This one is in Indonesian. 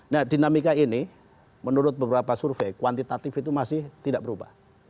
nah dinamika ini menurut beberapa survei kuantitatif itu masih tidak berubah